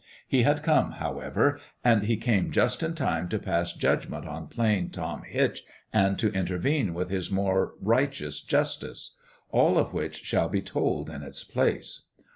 He had come, however ; and he came just in time to pass judgment on Plain Tom Hitch and to intervene with his more righteous justice all of which shall be told in its place.